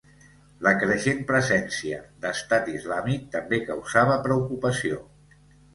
La creixent presència d'Estat Islàmic també causava preocupació.